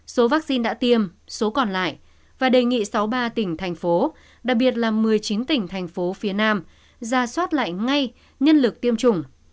số vaccine đã tiêm số còn lại và đề nghị sáu mươi ba tỉnh thành phố đặc biệt là một mươi chín tỉnh thành phố phía nam ra soát lại ngay nhân lực tiêm chủng